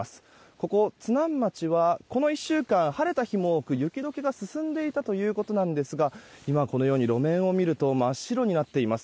ここ津南町は、この１週間晴れた日も多く、雪解けが進んでいたということですが今はこのように路面を見ると真っ白になっています。